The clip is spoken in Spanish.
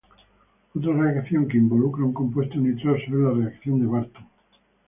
Otra reacción que involucra un compuesto nitroso es la reacción de Barton.